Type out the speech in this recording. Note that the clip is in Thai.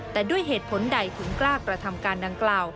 แต่ด้วยเหตุผลใดถึงกล้ากระทำการดังกล่าว